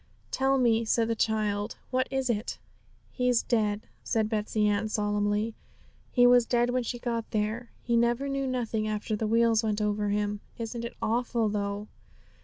'Tell me,' said the child, 'what is it?' 'He's dead,' said Betsey Ann solemnly; 'he was dead when she got there; he never knew nothing after the wheels went over him. Isn't it awful, though?'